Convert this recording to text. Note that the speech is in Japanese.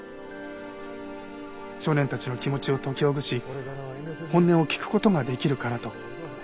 少年たちの気持ちを解きほぐし本音を聞く事ができるからと。